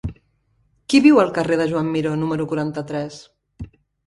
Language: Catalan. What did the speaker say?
Qui viu al carrer de Joan Miró número quaranta-tres?